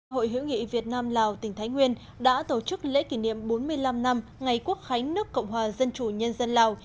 hội hiểu nghị việt nam lào tỉnh thái nguyên đã tổ chức lễ kỷ niệm bốn mươi năm năm ngày quốc khánh nước cộng hòa dân chủ nhân dân lào